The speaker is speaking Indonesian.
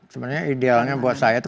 sebenarnya idealnya buat saya itu